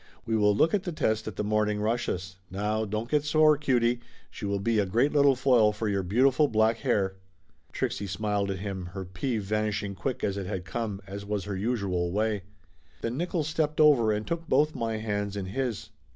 We will look at the test at the morning rushes. Now don't get sore, cutie ; she will be a great little foil for your beautiful black hair." Trixie smiled at him, her peeve vanishing quick as it had come, as was her usual way. Then Nickolls stepped over and took both my hands in his.